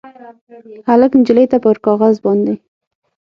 هلک نجلۍ ته پر کاغذ باندې